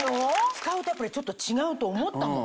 使うとやっぱりちょっと違うと思ったもん。